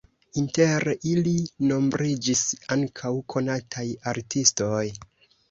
Inter ili nombriĝis ankaŭ konataj artistoj.